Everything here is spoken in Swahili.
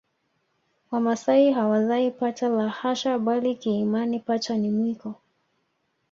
Wamasai hawazai pacha la hasha bali kiimani pacha ni mwiko